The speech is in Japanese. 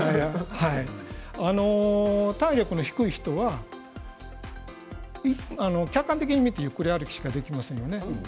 体力の低い人は客観的に見てゆっくり歩きしかしていませんよね。